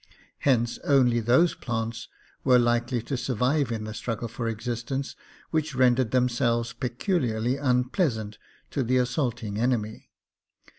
Hence only those plants were likely to survive in the struggle for existence which rendered themselves peculiarly unpleasant to the assaulting enemy.